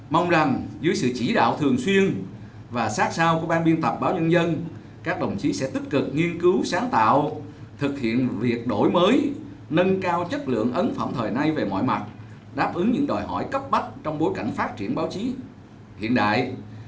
mong rằng dưới sự chỉ đạo thường xuyên và sát sao của ban biên tập báo nhân dân các đồng chí sẽ tích cực nghiên cứu sáng tạo thực hiện việc đổi mới nâng cao chất lượng ấn phẩm thời nay về mọi mặt đáp ứng những đòi hỏi cấp bách trong bối cảnh phát triển báo chí hiện đại